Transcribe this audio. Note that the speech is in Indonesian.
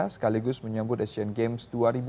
sekaligus menyambut asian games dua ribu delapan belas